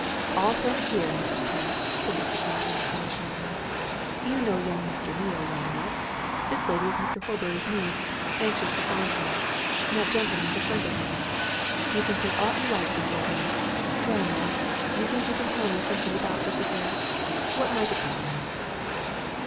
"All friends here, Mrs. Pratt," said the superintendent reassuringly. "You know young Mr. Neale well enough. This lady is Mr. Horbury's niece anxious to find him. That gentleman's a friend of mine you can say aught you like before him. Well, ma'am! you think you can tell me something about this affair? What might it be, now?"